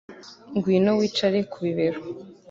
Ngwino wicare ku bibero